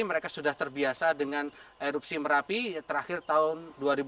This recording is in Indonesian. mereka sudah terbiasa dengan erupsi merapi terakhir tahun dua ribu dua puluh